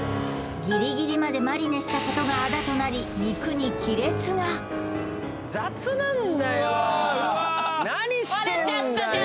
ギリギリまでマリネしたことがあだとなり肉に亀裂が何してんだよ